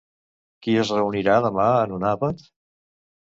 Qui es reunirà demà en un àpat?